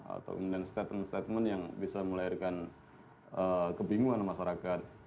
atau kemudian statement statement yang bisa melahirkan kebingungan masyarakat